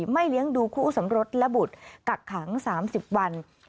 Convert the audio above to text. ๔ไม่เลี้ยงดูคู่สำรวจระบุษกักขัง๓๐วัน